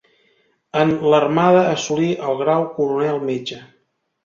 En l'Armada assolí el grau Coronel metge.